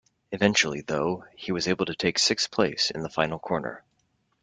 Eventually, though, he was able to take sixth place in the final corner.